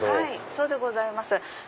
そうでございます。